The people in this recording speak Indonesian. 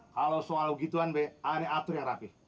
kalau soal begituan be anda aturin rapih